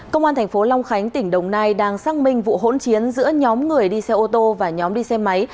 công an thành phố long khánh tỉnh đồng nai đang xác minh vụ hỗn chiến giữa nhóm người đi xe ô tô và nhóm đi xe máy